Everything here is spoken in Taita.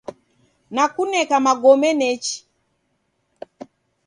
Nakuneka magome nechi.